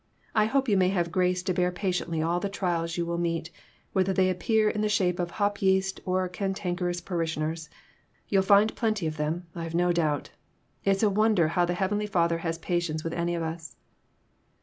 I hope you may have grace to bear patiently all the trials you will meet, whether they appear in the shape of hop yeast or cantankerous parishioners. You'll find plenty of them, I've no doubt. It's a wonder how the heavenly Father has patience with any of us."